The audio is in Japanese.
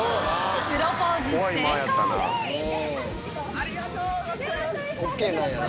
ありがとうございます！